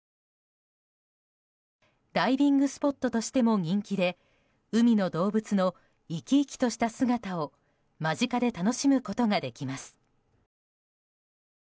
ダイビングスポットとしても人気で、海の動物の生き生きとした姿を間近で楽しむことができます。